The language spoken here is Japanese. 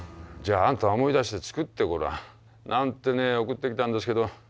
「じゃああんた思い出して作ってごらん」なんてね送ってきたんですけど。